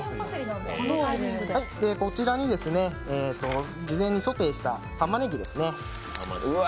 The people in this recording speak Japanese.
こちらに、事前にソテーしたたまねぎですね。